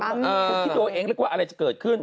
คุณคิดดูเองเรียกว่าอะไรจะเกิดขึ้น